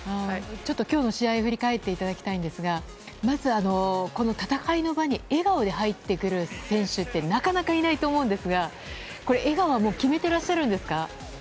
今日の試合振り返っていただきたいんですが戦いの場に笑顔で入ってくる選手ってなかなかいないと思うんですが笑顔は決めてらっしゃるんですか？